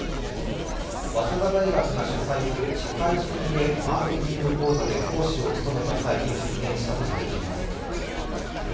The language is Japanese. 早稲田大学が主催する社会人向けマーケティング講座で講師を務めた際に発言したとされています。